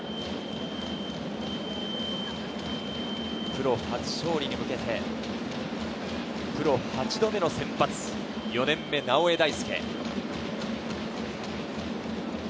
プロ初勝利に向けて、プロ８度目の先発、４年目、直江大輔。